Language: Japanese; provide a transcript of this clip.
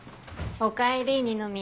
おかえり二宮。